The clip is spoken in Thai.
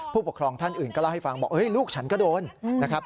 ผู้ปกครองท่านอื่นก็เล่าให้ฟังบอกลูกฉันก็โดนนะครับ